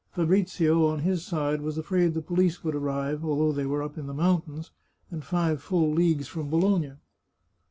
Fa brizio, on his side, was afraid the police would arrive, although they were up in the mountains, and five full leagues from Bologna.